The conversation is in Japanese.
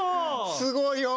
すごいよ！